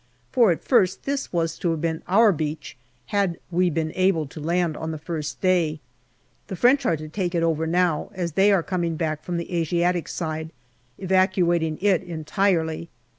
For at first this was to have been our beach, had we been 46 GALLIPOLI DIARY able to land on the first day. The French are to take it over now, as they are coming back from the Asiatic side, evacuating it entirely.